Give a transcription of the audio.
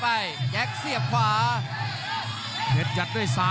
กรรมการเตือนทั้งคู่ครับ๖๖กิโลกรัม